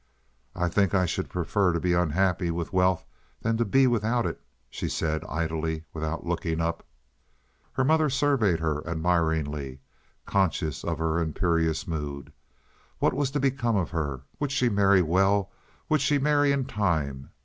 "I think I should prefer to be unhappy with wealth than to be without it," she said, idly, without looking up. Her mother surveyed her admiringly, conscious of her imperious mood. What was to become of her? Would she marry well? Would she marry in time?